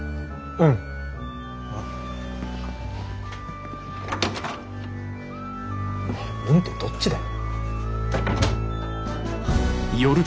「うん」ってどっちだよ。